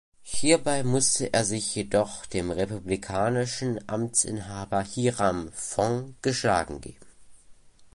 Hierbei musste er sich jedoch dem republikanischen Amtsinhaber Hiram Fong geschlagen geben.